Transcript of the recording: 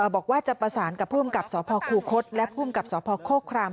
บอกว่าจะประสานกับภูมิกับสพคูคศและภูมิกับสพโฆคราม